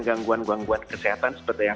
gangguan gangguan kesehatan seperti yang